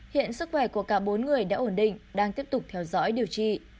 hiện sức khỏe của cả bốn người đã ổn định đang tiếp tục theo dõi điều trị